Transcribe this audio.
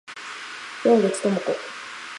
洞口朋子